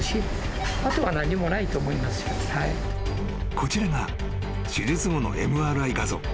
［こちらが手術後のＭＲＩ画像］